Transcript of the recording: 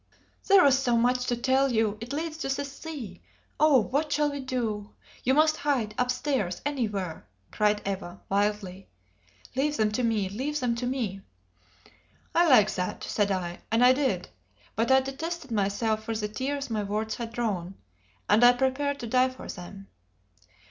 "There was so much to tell you! It leads to the sea. Oh, what shall we do? You must hide upstairs anywhere!" cried Eva, wildly. "Leave them to me leave them to me." "I like that," said I; and I did; but I detested myself for the tears my words had drawn, and I prepared to die for them.